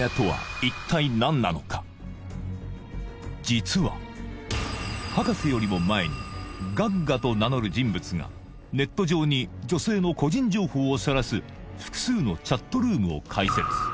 実は博士よりも前に神神と名乗る人物がネット上に女性の個人情報をさらす複数のチャットルームを開設